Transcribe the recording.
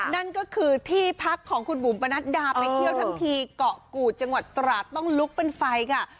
นั่นก็คือที่พักของคุณบุ๋มปนัดดาไปเที่ยวทั้งทีเกาะกูดจังหวัดตราดต้องลุกเป็นไฟค่ะ